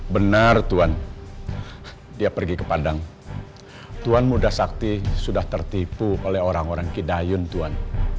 benar tuhan dia pergi ke padang tuan muda sakti sudah tertipu oleh orang orang kidayun tuan